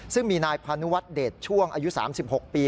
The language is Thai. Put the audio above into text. ซึ่งมีนายพานุวัฒน์เดชช่วงอายุ๓๖ปี